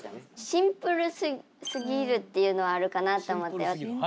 シンプルすぎるっていうのはあるかなと思って。